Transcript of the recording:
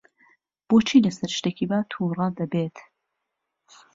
بۆچی لەسەر شتێکی وا تووڕە دەبێت؟